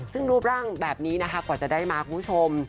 ซึ่งรูปร่างแบบนี้นะคะกว่าจะได้มาคุณผู้ชม